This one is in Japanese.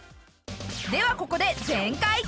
ではここで全開Ｑ！